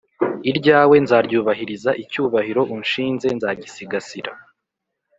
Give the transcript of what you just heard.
iryawe nzaryubahiriza icyubahiro unshinze nzagisigasira,